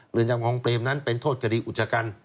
เรือนจำของเปรมนั้นเป็นโทษคดีอุจจกรรม